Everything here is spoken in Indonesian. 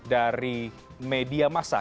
dari media massa